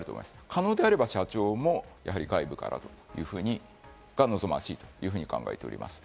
可能であれば社長も外部からが望ましいと考えております。